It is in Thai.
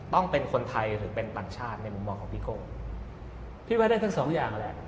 ต้องเป็นคนไทยหรือเป็นต่างชาติในมุมมองของพี่โก้พี่ว่าได้ทั้งสองอย่างแหละ